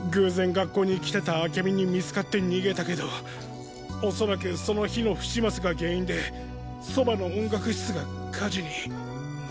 学校に来てた明美に見つかって逃げたけどおそらくその火の不始末が原因でそばの音楽室が火事に。